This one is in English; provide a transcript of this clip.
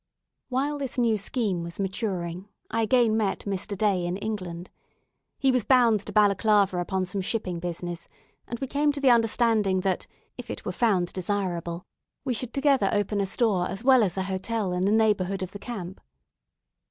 While this new scheme was maturing, I again met Mr. Day in England. He was bound to Balaclava upon some shipping business, and we came to the understanding that (if it were found desirable) we should together open a store as well as an hotel in the neighbourhood of the camp.